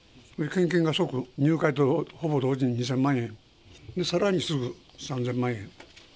献金が即入会とほぼ同時に２０００万円、さらにすぐ３０００万円。